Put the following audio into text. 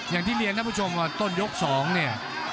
อย่างที่เรียนท่านผู้ชมว่าต้นยก๒เนี่ย